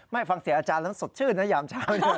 ฟังเสียอาจารย์แล้วสดชื่นนะยามเช้าเลย